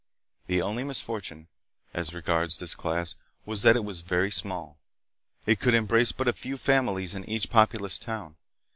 The only misfortune, as regards this class, was that it was very small. It could embrace but a few families in each populous town.